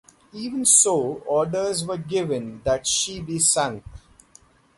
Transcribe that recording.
Even so, orders were given that she be sunk.